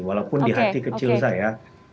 walaupun di hati kecil saya